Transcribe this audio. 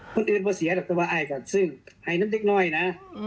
คนอื่นว่าเสียแต่ว่าอายกันซึ่งอายน้ำเด็กน้อยนะ